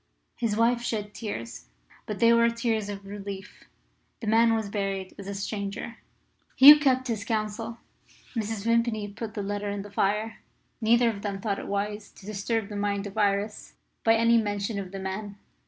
His wife shed tears, but they were tears of relief. The man was buried as a stranger. Hugh kept his counsel. Mrs. Vimpany put the letter in the fire. Neither of them thought it wise to disturb the mind of Iris by any mention of the man.